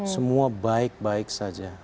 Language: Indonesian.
semua baik baik saja